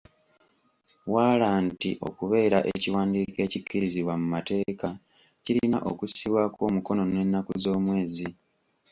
Waalanti okubeera ekiwandiiko ekikkirizibwa mu mateeka kirina okussibwako omukono n'ennaku z'omwezi.